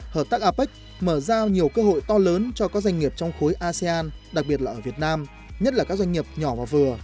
hợp tác apec mở ra nhiều cơ hội to lớn cho các doanh nghiệp trong khối asean đặc biệt là ở việt nam nhất là các doanh nghiệp nhỏ và vừa